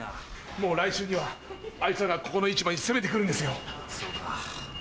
もう来週にはあいつらがここの市場に攻めてくるんですよ。